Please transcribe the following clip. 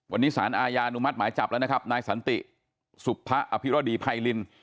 วันนี้สารอาญาอนุมัติหมายจับแล้วนะครับนายสันติสุภะอภิรดีไพริน